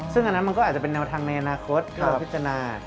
ซึ่งอันนั้นมันก็อาจจะเป็นแนวทางในอนาคตที่เราพิจารณา